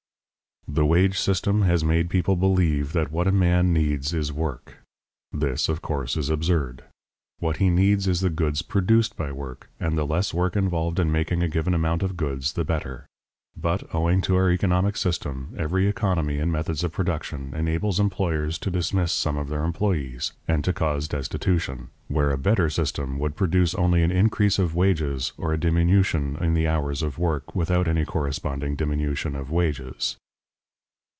The wage system has made people believe that what a man needs is work. This, of course, is absurd. What he needs is the goods produced by work, and the less work involved in making a given amount of goods, the better. But owing to our economic system, every economy in methods of production enables employers to dismiss some of their employees, and to cause destitution, where a better system would produce only an increase of wages or a diminution in the hours of work without any corresponding diminution of wages.